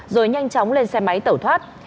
rồi nhanh chóng lên xe máy tẩu thoát